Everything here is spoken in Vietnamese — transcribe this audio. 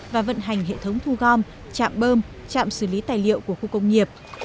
và vận hành hệ thống thu gom chạm bơm chạm xử lý tài liệu của khu công nghiệp